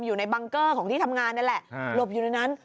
อยู่ในบังเกอร์ของที่ทำงานนั่นแหละหลบอยู่ในนั้น